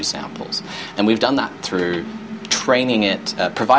dan kami telah melakukan itu melalui